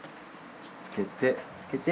つけて。